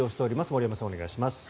森山さん、お願いします。